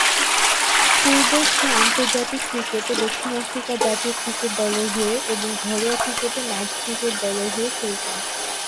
পূর্ব সে আন্তর্জাতিক ক্রিকেটে দক্ষিণ আফ্রিকা জাতীয় ক্রিকেট দলের হয়ে এবং ঘরোয়া ক্রিকেটে নাইটস ক্রিকেট দলের হয়ে খেলতেন।